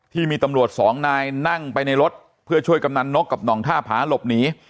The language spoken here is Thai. ที่มีตำรวจสองนายนั่งไปในรถเพื่อช่วยกำนันนกกับหน่องท่าผาหลบหนี